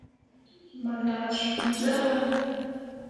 Mo lah suu zarah.